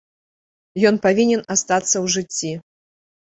Ён павінен астацца ў жыцці.